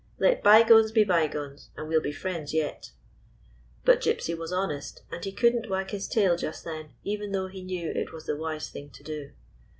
Let bygones be bygones, and we 'll be friends yet." But Gypsy was honest, and he could n't wag his tail, just then, even though he knew it was the wise thing to do.